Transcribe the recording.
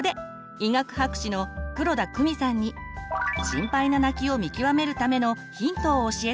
医学博士の黒田公美さんに心配な泣きを見極めるためのヒントを教えてもらいました。